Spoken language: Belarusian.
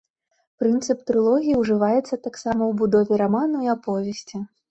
Прынцып трылогіі ўжываецца таксама ў будове раману і аповесці.